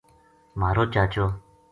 مھارو چاچو